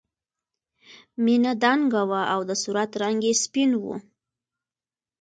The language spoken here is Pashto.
مینه دنګه وه او د صورت رنګ یې سپین و